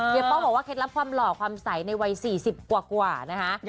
ป้องบอกว่าเคล็ดลับความหล่อความใสในวัย๔๐กว่านะคะ